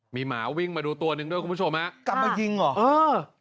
มีหมาวิ่งมาดูตัวหนึ่งด้วยคุณผู้ชมฮะกลับมายิงเหรอเออ